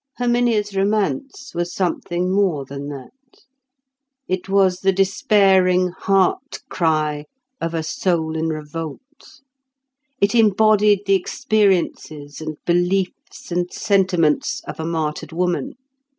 Herminia's romance was something more than that. It was the despairing heart cry of a soul in revolt. It embodied the experiences and beliefs and sentiments of a martyred woman.